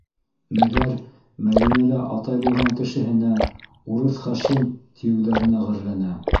Мәгәр Мәҙинә лә атай булған кешеһенә «Урыҫ Хашим» тиеүҙәренә ғәрләнә.